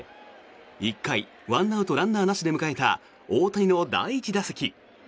１回、１アウトランナーなしで迎えた大谷の第１打席。